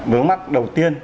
vướng mắt đầu tiên